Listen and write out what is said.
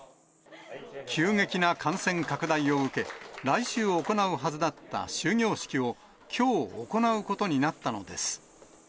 急激な感染拡大を受け、来週行うはずだった終業式を、きょう行うことになったのです。